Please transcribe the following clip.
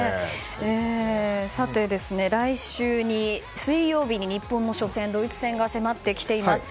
さて、来週水曜日に日本の初戦ドイツ戦が迫ってきています。